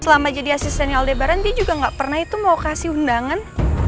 selama jadi asistennya aldebaran dia juga gak pernah itu mau kasih undangan